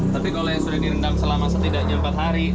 tapi kalau yang sudah direndam selama setidaknya empat hari